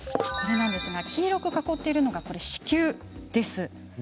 黄色く囲っているのが子宮です。